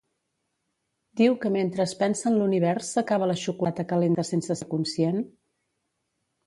Diu que mentre es pensa en l'univers s'acaba la xocolata calenta sense ser conscient?